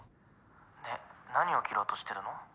「で何を切ろうとしてるの？」